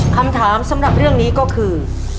คำถามสำหรับเรื่องนี้ก็คือ